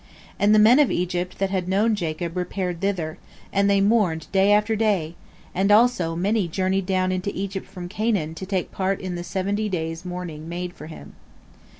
And the men of Egypt that had known Jacob repaired thither, and they mourned day after day, and also many journeyed down into Egypt from Canaan, to take part in the seventy days' mourning made for him.